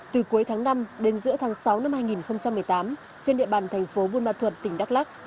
từ cuối tháng năm đến giữa tháng sáu năm hai nghìn một mươi tám trên địa bàn thành phố buôn ma thuật tỉnh đắk lắc